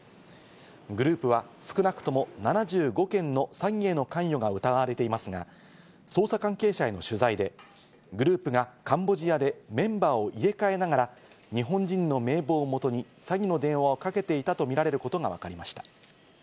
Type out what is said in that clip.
グループは少なくとも７５件の詐欺への関与が疑われていますが、捜査関係者への取材で、グループがカンボジアでメンバーを入れ替えながら、日本人の名簿をもとに詐欺の電話をかけていたとみられることがわかりました。